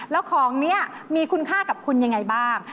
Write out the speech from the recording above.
แล้วของนี้มีคุณค่ากับคุณยังไงบ้าง